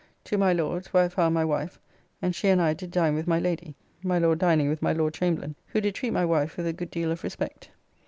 To my Lord's, where I found my wife, and she and I did dine with my Lady (my Lord dining with my Lord Chamberlain), who did treat my wife with a good deal of respect.